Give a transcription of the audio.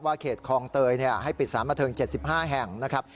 เขตคลองเตยให้ปิดสารบันเทิง๗๕แห่งนะครับ